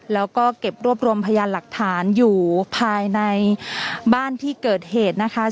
แล้วก็เก็บรวบรวมพยานหลักฐานอยู่ภายในบ้านที่เกิดเหตุนะคะ